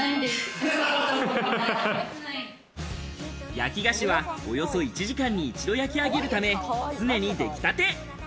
焼き菓子は、およそ１時間に一度焼き上げるため、常に出来たて。